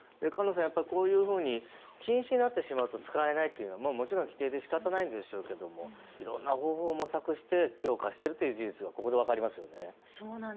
菅野さん、こういうふうに禁止になってしまうと使えないというのは規定なので仕方ないんでしょうけどいろんな方法を模索して強化しているという事実がこれで分かりますよね。